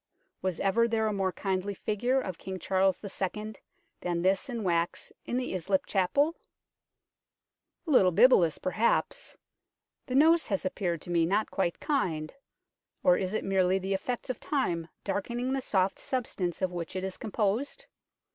Was ever there a more kindly figure of King Charles II. than this in wax in the Islip Chapel ? a little bibulous, perhaps ; the nose has appeared to me not quite kind, or is it merely the effects of time darkening the soft substance of which it is composed